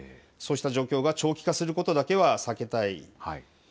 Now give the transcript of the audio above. そうした状況が長期化することだけは避けたい。